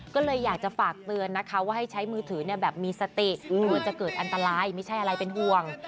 ก็เลยอยากจะฝากเตือนนะคะว่าให้ใช้มือถือแบบมีสติกลัวจะเกิดอันตรายไม่ใช่อะไรเป็นห่วง